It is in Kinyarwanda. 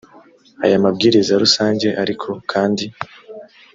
aya mabwiriza rusange ariko kandi